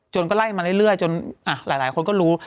ก็ไล่มาเรื่อยจนหลายคนก็รู้